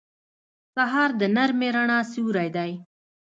سهار د نرمې رڼا سیوری دی.